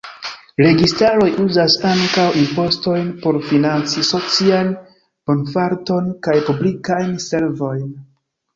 Registaroj uzas ankaŭ impostojn por financi socian bonfarton kaj publikajn servojn.